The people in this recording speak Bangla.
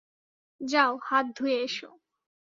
যাও হাত ধুয়ে এসো।